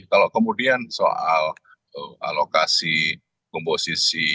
kalau kemudian soal alokasi komposisi